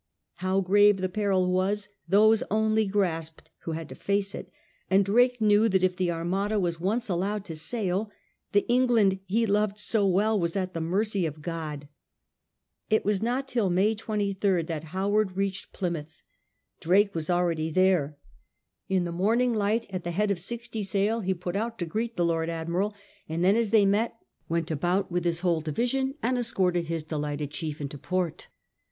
How grave the peril was, those only grasped who had to face it ; and Drake knew that if the Armada was once allowed to sail, the England he loved so well was at the mercy of God. It was not till May 23rd that Howard reached X SAILS AGAINST THE ARMADA 141 Plymouth. Drake was already there. In the morning light at the head of sixty sail he put out to greet the Lord Admiral, and then, as they met, went about with his whole division and escorted his delighted chief into port.